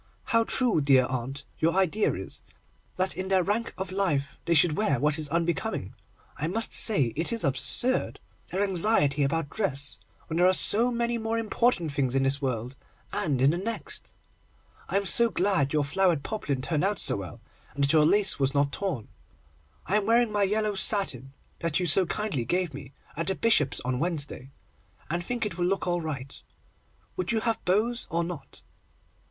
How true, dear aunt, your idea is, that in their rank of life they should wear what is unbecoming. I must say it is absurd, their anxiety about dress, when there are so many more important things in this world, and in the next. I am so glad your flowered poplin turned out so well, and that your lace was not torn. I am wearing my yellow satin, that you so kindly gave me, at the Bishop's on Wednesday, and think it will look all right. Would you have bows or not?